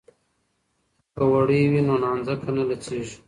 که وړۍ وي نو نانځکه نه لڅیږي.